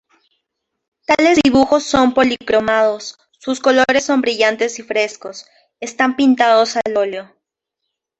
Tales dibujos son policromados, sus colores son brillantes y frescos, están pintados al óleo.